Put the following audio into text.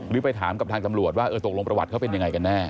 หรือไปถามกับทางจำลวดว่าตกลงประวัติเขาเป็นอย่างไรกันแน่